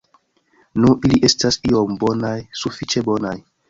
Nu, ili estas iom bonaj, sufiĉe bonaj.